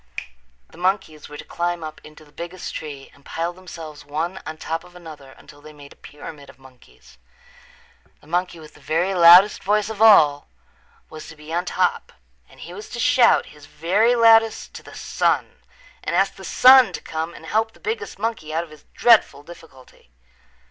The monkeys were to climb up into the biggest tree and pile themselves one on top of another until they made a pyramid of monkeys. The monkey with the very loudest voice of all was to be on top and he was to shout his very loudest to the sun and ask the sun to come and help the biggest monkey out of his dreadful difficulty.